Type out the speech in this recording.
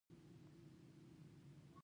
هغه په دې توګه ځان له کوره وایست.